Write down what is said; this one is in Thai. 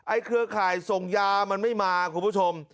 เครือข่ายส่งยามันไม่มาคุณผู้ชม